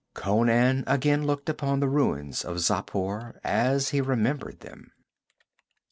Conan again looked upon the ruins of Xapur as he remembered them.